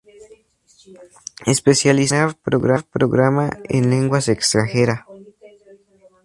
Especializó Entrenar Programa en lenguas extranjeras.